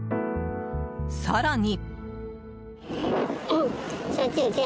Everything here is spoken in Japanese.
更に。